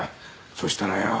そしたらよ。